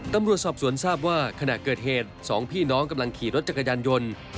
ตำรวจสอบสวนทราบว่าขณะเกิดเหตุสองพี่น้องกำลังขี่รถจักรยานยนต์